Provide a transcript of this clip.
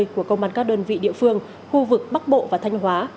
của công an các đơn vị địa phương khu vực bắc bộ và thanh hóa